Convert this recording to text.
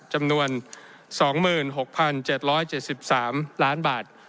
จำนวน๒๖๗๗๓ล้านบาท